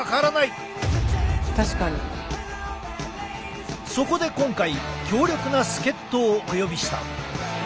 そこで今回強力な助っ人をお呼びした。